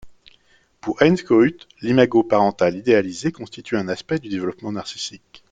Pour Heinz Kohut, l'imago parental idéalisé constitue un aspect du développement narcissique.